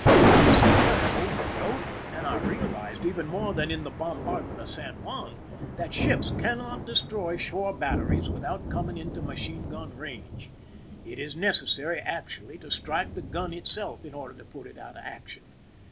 This occurred over and over ; and then I realized, even more than in the bombardment of San Juan, that ships cannot destroy shore batteries without coming into machine gun range. It is necessary actually to strike the gun itself in order to put it out of action.